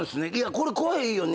これ怖いよね。